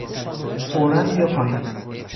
فورا بیا پایین!